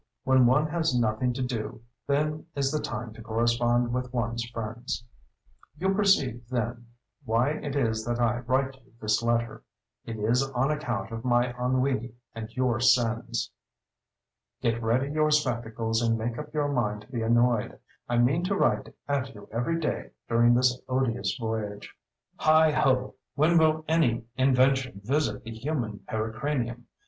When one has nothing to do, then is the time to correspond with ones friends. You perceive, then, why it is that I write you this letter—it is on account of my ennui and your sins. Get ready your spectacles and make up your mind to be annoyed. I mean to write at you every day during this odious voyage. Heigho! when will any Invention visit the human pericranium?